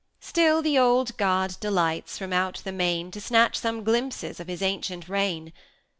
Still the old God delights, from out the main, To snatch some glimpses of his ancient reign.